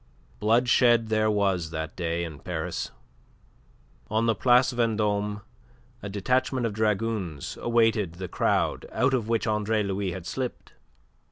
Bloodshed there was that day in Paris. On the Place Vendome a detachment of dragoons awaited the crowd out of which Andre Louis had slipped.